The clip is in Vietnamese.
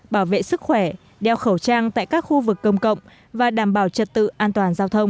bảo vệ sức khỏe đeo khẩu trang tại các khu vực công cộng và đảm bảo trật tự an toàn giao thông